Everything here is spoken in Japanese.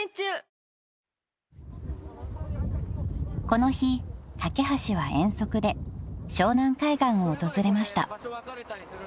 ［この日かけはしは遠足で湘南海岸を訪れました］